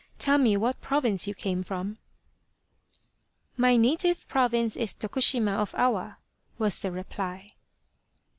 Tell me what province you came from ?"" My native province is Tokushima of Awa," was the reply.